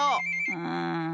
うん。